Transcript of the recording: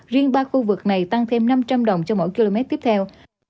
riêng ba khu vực này tăng thêm năm trăm linh đồng cho mỗi km tiếp theo